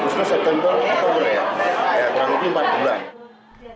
terlalu di empat bulan